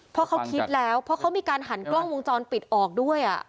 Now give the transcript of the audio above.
เพราะเขาคิดแล้วเพราะเขามีการหันกล้องวงจรปิดออกด้วย